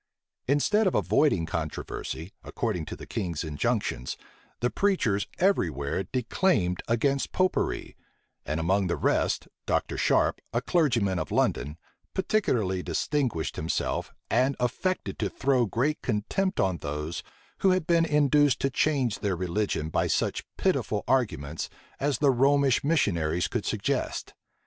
Instead of avoiding controversy, according to the king's injunctions, the preachers every where declaimed against Popery; and among the rest, Dr. Sharpe, a clergyman of London, particularly distinguished himself, and affected to throw great contempt on those who had been induced to change their religion by such pitiful arguments as the Romish missionaries could suggest.